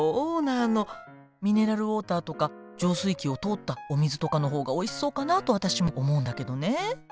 ミネラルウォーターとか浄水器を通ったお水とかの方がおいしそうかなと私も思うんだけどね。